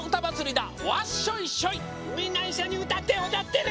みんないっしょにうたっておどってね！